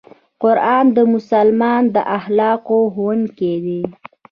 قرآن د مسلمان د اخلاقو ښوونکی دی.